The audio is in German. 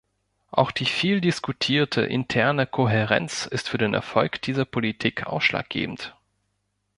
Auch die viel diskutierte interne Kohärenz ist für den Erfolg dieser Politik ausschlaggebend.